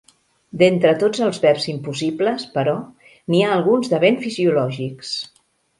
D'entre tots els verbs impossibles, però, n'hi ha alguns de ben fisiològics.